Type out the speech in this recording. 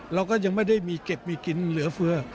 เราก็ยังไม่ได้มีเก็บมีกินเหลือเฟือ